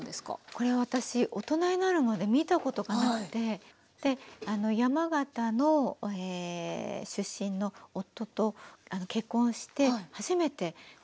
これ私大人になるまで見たことがなくて山形の出身の夫と結婚して初めて食べたんですね。